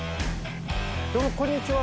どうもこんにちは。